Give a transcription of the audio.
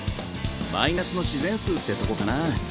マイナスの自然数ってとこかな。